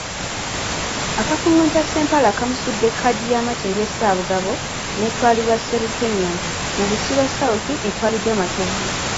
Akakunguta Ssempala kamusudde kkaadi ya Makindye Ssaabagabo netwalibwa Sserukenya, mu Busiro South etwaliddwa Matovu.